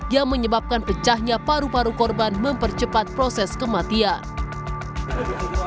yang menyebabkan pecahnya paru paru korban mempercepat proses kematian